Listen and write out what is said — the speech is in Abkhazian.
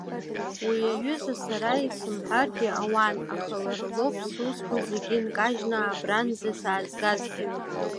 Уи аҩыза ара исымҳәаргьы ауан, аха лара лоуп сусқәа зегьы нкажьны абранӡа саазгазгьы.